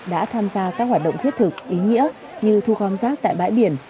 đã tham gia các hoạt động thiết thực ý nghĩa như thu gom rác tại bãi biển